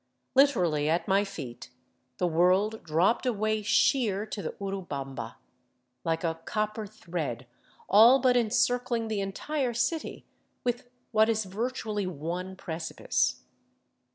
Literally at my feet the world dropped away sheer to the Urubamba, like a copper thread all but encircling the entire city with what is virtually one precipice.